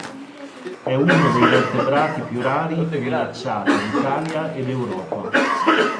È uno dei vertebrati più rari e minacciati d'Italia ed Europa.